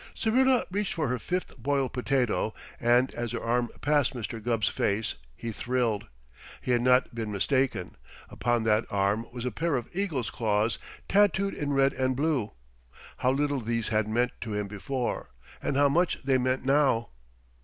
Syrilla reached for her fifth boiled potato, and as her arm passed Mr. Gubb's face he thrilled. He had not been mistaken. Upon that arm was a pair of eagle's claws, tattooed in red and blue! How little these had meant to him before, and how much they meant now!